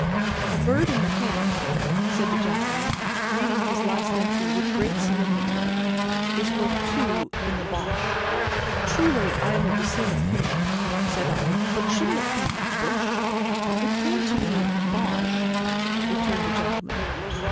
"'A bird in the hand,'" said the gentleman, reading his last entry with great solemnity, "'is worth two in the Bosh.'" "Truly I am of the same opinion," said I; "but shouldn't it be Bush?" "It came to me, Bosh," returned the gentleman.